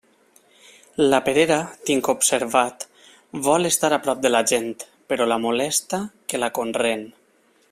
La perera, tinc observat, vol estar a prop de la gent, però la molesta que la conreen.